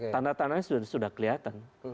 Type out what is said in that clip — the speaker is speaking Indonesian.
tanda tandanya sudah kelihatan